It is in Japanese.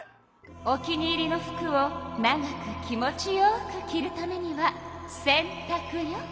お気に入りの服を長く気持ちよく着るためには洗たくよ。